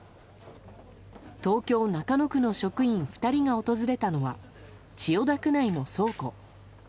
東京・中野区の職員２人が訪れたのは千代田区内の倉庫。